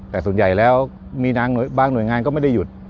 แต่ส่วนใหญ่แล้วมีบางหน่วยงานก็ไม่ได้หยุด